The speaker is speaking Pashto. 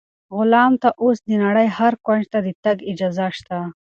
غلام ته اوس د نړۍ هر کونج ته د تګ اجازه شته.